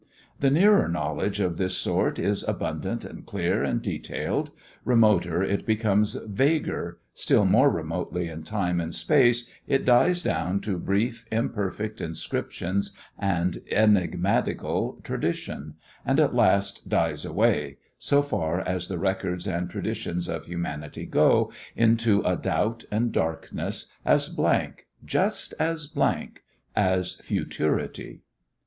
The nearer knowledge of this sort is abundant and clear and detailed, remoter it becomes vaguer, still more remotely in time and space it dies down to brief, imperfect inscriptions and enigmatical traditions, and at last dies away, so far as the records and traditions of humanity go, into a doubt and darkness as blank, just as blank, as futurity.